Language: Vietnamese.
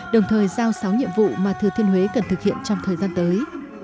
đồng thời giao sáu nhiệm vụ mà thừa thiên huế cần thực hiện trong thời gian tới